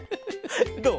どう？